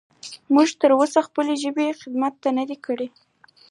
موږ تر اوسه د خپلې ژبې خدمت نه دی کړی.